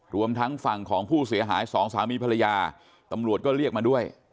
รวมทั้งฝั่งของผู้เสียหายสองสามีภรรยาตำรวจก็เรียกมาด้วย